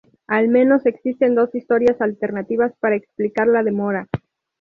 Al menos existen dos historias alternativas para explicar la demora.